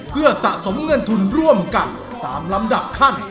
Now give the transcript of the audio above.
เพื่อสะสมเงินทุนร่วมกันตามลำดับขั้น